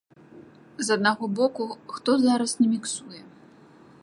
З аднаго боку, хто зараз не міксуе?